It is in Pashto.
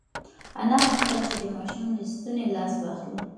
انا غوښتل چې د ماشوم له ستوني لاس واخلي.